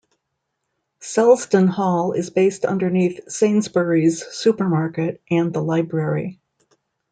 Selsdon Hall is based underneath Sainsbury's supermarket and the library.